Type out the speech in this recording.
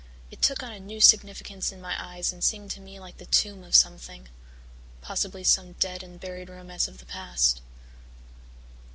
It took on a new significance in my eyes and seemed to me like the tomb of something possibly some dead and buried romance of the past.